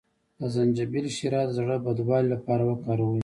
د زنجبیل شیره د زړه بدوالي لپاره وکاروئ